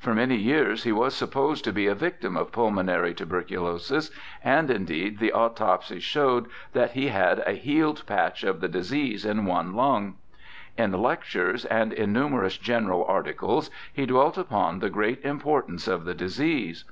For many years he was supposed to be a victim of pulmonary tuberculosis, and indeed the autopsy showed that he 226 BIOGRAPHICAL ESSAYS had a healed patch of the disease in one lung. In lec tures and in numerous general articles he dwelt upon the great importance of the disease.